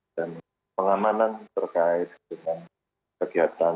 dan pengamanan terkait dengan kegiatan